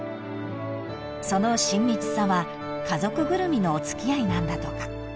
［その親密さは家族ぐるみのお付き合いなんだとか］